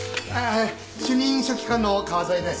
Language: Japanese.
主任書記官の川添です。